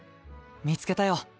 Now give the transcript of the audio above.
見つけたよ。